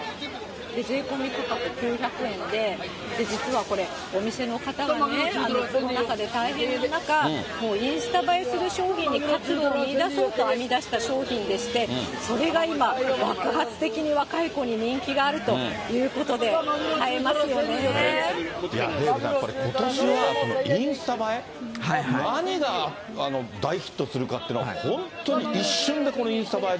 税込み価格９００円で、実はこれ、お店の方がね、コロナ禍で大変な中、もうインスタ映えする商品に活路を見いだそうと編み出した商品でして、それが今、爆発的に若い子に人気があるということで、デーブさん、ことしはインスタ映え、何が大ヒットするかっていうのは、本当に一瞬で、このインスタ映えで。